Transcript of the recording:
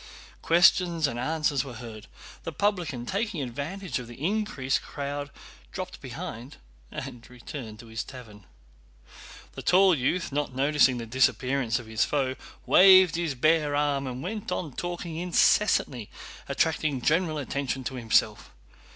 Questions and answers were heard. The publican, taking advantage of the increased crowd, dropped behind and returned to his tavern. The tall youth, not noticing the disappearance of his foe, waved his bare arm and went on talking incessantly, attracting general attention to himself.